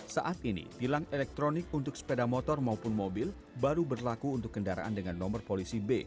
saat ini tilang elektronik untuk sepeda motor maupun mobil baru berlaku untuk kendaraan dengan nomor polisi b